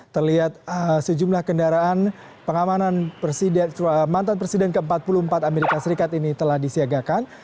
terlihat sejumlah kendaraan pengamanan mantan presiden ke empat puluh empat amerika serikat ini telah disiagakan